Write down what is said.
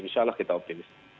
insya allah kita optimis